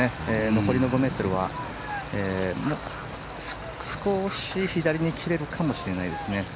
残りの５ｍは、少し左に切れるかもしれないですね。